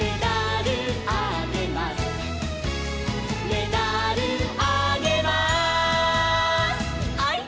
「メダルあげます」「ハイ！